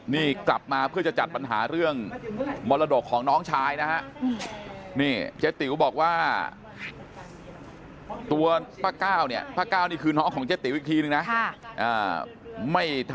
นี่กลับมาเพื่อจะจัดปัญหาเรื่องมรดกของน้องชายนะฮะ